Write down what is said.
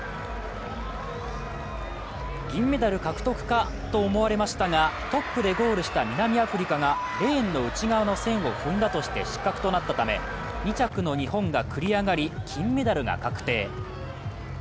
銀メダル獲得かと思われましたがトップでゴールした南アフリカがレーンの内側の線を踏んだとして失格となったため２着の日本が繰り上がり金メダルが確定。